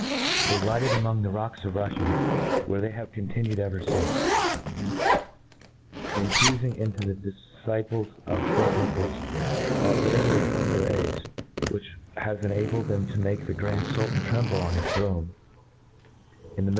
They lighted among thp rocks of RuflTia, where they have continued ever fince, infufing into the difciples of St Nicholas, that bravery from their eggs, which has enabled them to make the (Jrand, Si^ltsw treiQble on bis throne in thp lyiidr